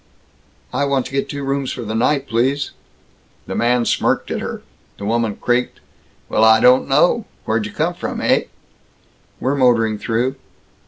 "I want to get two rooms for the night, please." The man smirked at her. The woman creaked, "Well, I don't know. Where d' you come from, heh?" "We're motoring through."